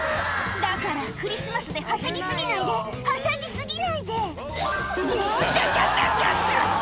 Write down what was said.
だからクリスマスではしゃぎ過ぎないではしゃぎ過ぎないであちゃちゃちゃちゃ！